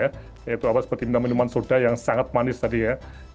yaitu apa seperti minuman minuman soda yang sangat manis tadi ya